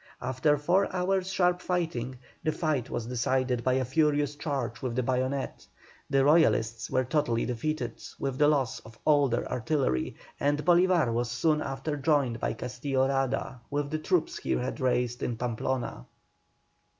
After four hours' sharp firing, the fight was decided by a furious charge with the bayonet; the Royalists were totally defeated, with the loss of all their artillery, and Bolívar was soon after joined by Castillo Rada with the troops he had raised in Pamplona.